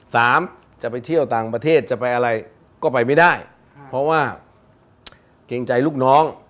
จะไปเที่ยวต่างประเทศจะไปอะไรก็ไปไม่ได้เพราะว่าเกรงใจลูกน้อง